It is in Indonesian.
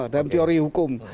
dalam teori hukum